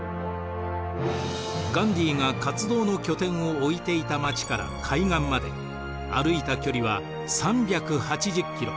ガンディーが活動の拠点を置いていた町から海岸まで歩いた距離は３８０キロ。